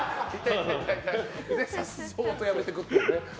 颯爽と辞めていくっていうね。